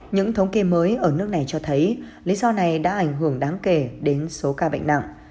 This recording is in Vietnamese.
những thống kê mới ở nước này cho thấy lý do này đã ảnh hưởng đáng kể đến số ca bệnh nặng